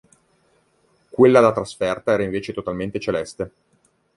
Quella da trasferta era invece totalmente celeste.